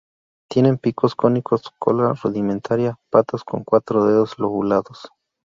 Tienen picos cónicos, cola rudimentaria, patas con cuatro dedos lobulados.